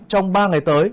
trong ba ngày tới